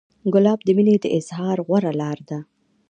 ګلاب د مینې د اظهار غوره لاره ده.